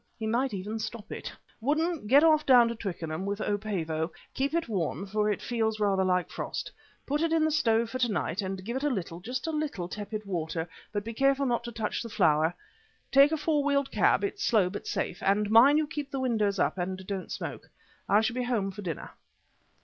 He might even stop it. Woodden, get off down to Twickenham with 'O. Pavo.' Keep it warm, for it feels rather like frost. Put it in the stove for to night and give it a little, just a little tepid water, but be careful not to touch the flower. Take a four wheeled cab, it's slow but safe, and mind you keep the windows up and don't smoke. I shall be home for dinner."